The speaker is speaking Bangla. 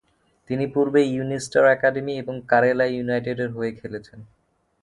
তিনি পূর্বে ইউনিস্টার একাডেমি এবং কারেলা ইউনাইটেডের হয়ে খেলেছেন।